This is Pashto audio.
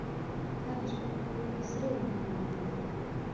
هره شپه په خوب کې سره اورونه وینم